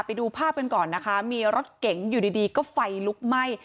ไปดูภาพกันก่อนนะคะมีรถเก๋งอยู่ดีก็ไฟลุกไหม้